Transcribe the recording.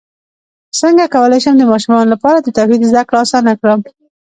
څنګه کولی شم د ماشومانو لپاره د توحید زدکړه اسانه کړم